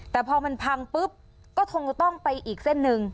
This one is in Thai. แต่พอมันพังปุ๊บก็คงจะต้องไปอีกเส้นหนึ่ง